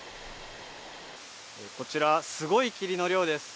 こちら、すごい霧の量です。